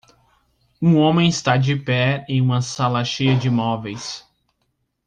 Um homem está de pé em uma sala cheia de móveis.